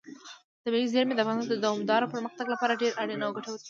طبیعي زیرمې د افغانستان د دوامداره پرمختګ لپاره ډېر اړین او ګټور دي.